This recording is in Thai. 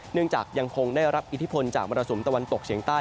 เนื่องจากยังคงได้รับอิทธิพลจากมรสมตะวันตกเฉียงใต้